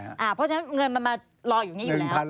เพราะฉะนั้นเงินมันมารออยู่นี้อยู่แล้ว